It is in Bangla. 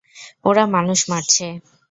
ওরা মানুষ মারছে।